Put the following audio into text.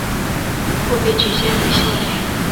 后被举荐为孝廉。